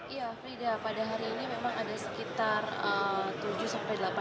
iya frida pada hari ini memang ada sekitar tujuh sampai delapan